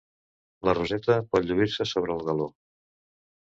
La roseta pot lluir-se sobre el galó.